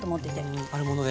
うんあるもので。